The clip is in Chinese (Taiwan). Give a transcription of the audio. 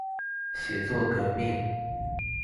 寫作革命